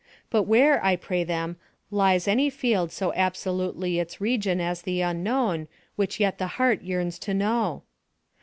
But where, I pray them, lies any field so absolutely its region as the unknown which yet the heart yearns to know?